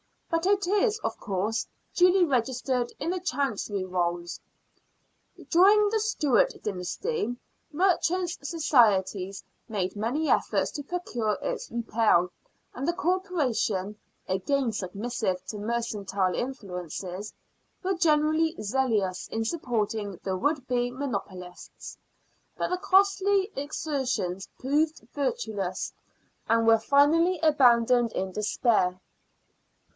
But it is, of course, duly registered in the Chancery Rolls. During the Stewart dynasty the Merchants' Society made many efforts to procure its repeal, and the Corporation, again submissive to mercantile influences, were generally zealous in supporting the would be monopolists, but the costly exertions proved fruitless, and were finally abandoned in despair.